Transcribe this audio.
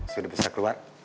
sudah bisa keluar